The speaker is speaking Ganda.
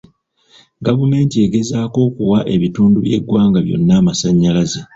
Gavumenti egezaako okuwa ebitundu by'eggwanga byonna amasannyalaze.